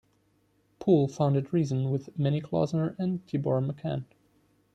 Poole founded Reason with Manny Klausner and Tibor Machan.